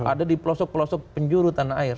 ada di pelosok pelosok penjuru tanah air